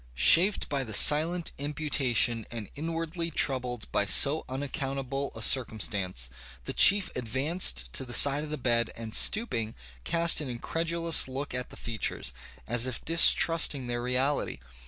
"Chafed by the silent imputation, and inwardly troubled by so unaccountable a circumstance, the chief advanced to the side of the bed, and stooping, cast an incredulous look at the features, as if distrusting their reality.